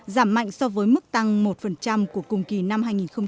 giảm mạnh so với mức tăng một của cùng kỳ năm hai nghìn một mươi tám